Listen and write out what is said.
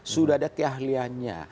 sudah ada keahliannya